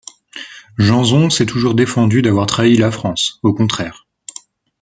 Jeanson s'est toujours défendu d'avoir trahi la France, au contraire.